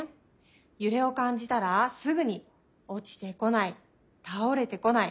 ゆれをかんじたらすぐに「おちてこない」「たおれてこない」